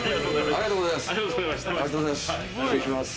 ありがとうございます。